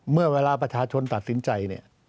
เมื่อเวลาประชาชนตัดสินใจ